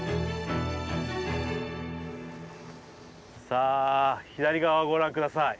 さあ左側をご覧下さい。